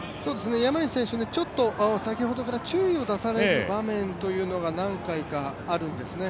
山西選手、先ほどから注意を出される場面というのが何回かあるんですね。